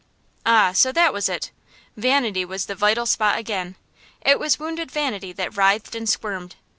Ah, so that was it! Vanity was the vital spot again. It was wounded vanity that writhed and squirmed.